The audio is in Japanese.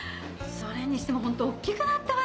それにしても本当大きくなったわねえ。